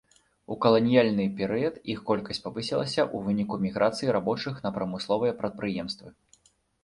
У каланіяльны перыяд іх колькасць павысілася ў выніку міграцыі рабочых на прамысловыя прадпрыемствы.